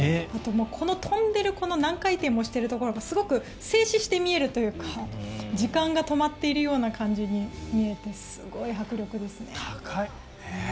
あと、この跳んでいる何回転もしているところがすごく静止して見えるというか時間が止まっているような感じに見えてすごい迫力ですね。